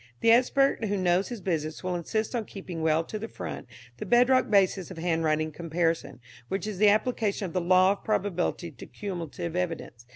The expert who knows his business will insist on keeping well to the front the bedrock basis of handwriting comparison, which is the application of the law of probability to cumulative evidence.